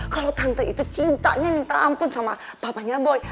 kalau tante itu cintanya minta ampun sama papanya boy